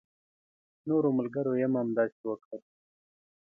نورو ملګرو يې هم همداسې وکړل.